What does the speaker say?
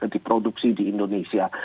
diproduksi di indonesia